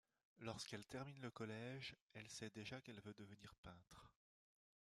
Lorsqu’elle termine le collège elle sait déjà qu’elle veut devenir peintre.